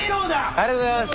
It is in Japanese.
ありがとうございます。